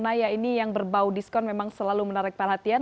naya ini yang berbau diskon memang selalu menarik perhatian